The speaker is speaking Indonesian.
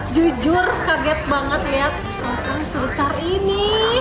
jujur kaget banget lihat kru asal sebesar ini